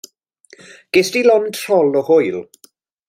Gest ti lond trol o hwyl?